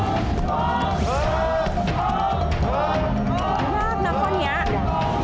มากนะคนอย่างนี้